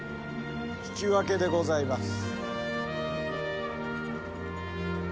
引き分けでございます。